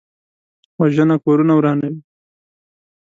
وژنه کورونه ورانوي